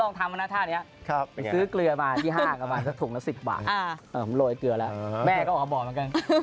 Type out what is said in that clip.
โรยเกลือแล้วแม่ก็ออกมาบอกเหมือนกัน